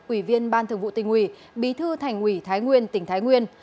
ủy viên ban thường vụ tỉnh ủy bí thư thành ủy thái nguyên tỉnh thái nguyên